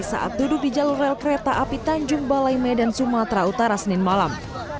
saat duduk di jalur rel kereta api tanjung balai medan sumatera utara senin malam